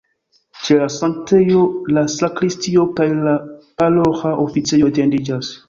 Ĉe la sanktejo la sakristio kaj la paroĥa oficejo etendiĝas.